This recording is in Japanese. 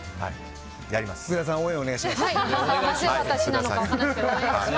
福田さん、応援お願いします。